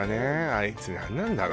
あいつなんなんだろう？